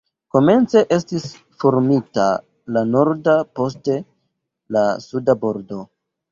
Komence estis formita la norda, poste la suda bordo.